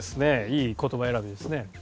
いい言葉選びですね。